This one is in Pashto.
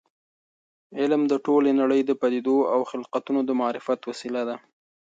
علم د ټولې نړۍ د پدیدو او خلقتونو د معرفت وسیله ده.